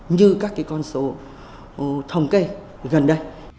như các con số thống kê gần đây